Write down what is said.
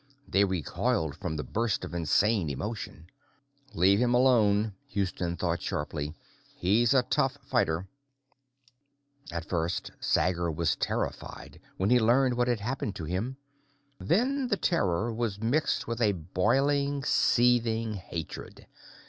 They recoiled from the burst of insane emotion. "Leave him alone," Houston thought sharply. "He's a tough fighter." At first, Sager was terrified when he learned what had happened to him. Then the terror was mixed with a boiling, seething hatred.